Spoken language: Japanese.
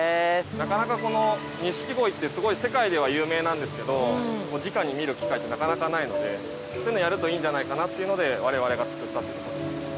なかなかこの錦鯉って世界では有名なんですけどじかに見る機会ってなかなかないのでそういうのやるといいんじゃないかなっていうので我々が作ったと。